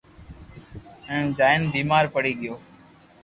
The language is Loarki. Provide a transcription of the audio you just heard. ھين جائين بيمار پڙي گيو